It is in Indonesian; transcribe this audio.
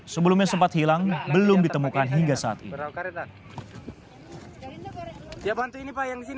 sebelumnya sempat hilang belum ditemukan hingga saat ini